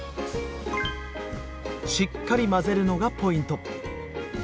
しっかり混ぜるのがポイント。